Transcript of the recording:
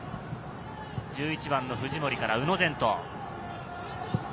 １１番の藤森から宇野禅斗。